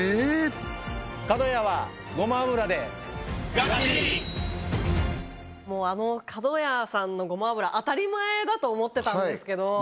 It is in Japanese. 香味検査員のもうあのかどやさんのごま油当たり前だと思ってたんですけど